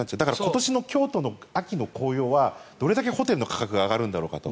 今年の京都の秋の紅葉はどれだけホテルの価格が上がるんだろうかと。